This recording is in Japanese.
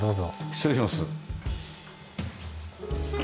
失礼します。